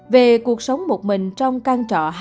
về cuộc sống một mình trong căn trọ